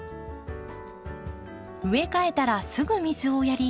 植え替えたらすぐ水をやり